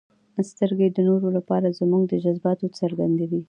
• سترګې د نورو لپاره زموږ د جذباتو څرګندوي.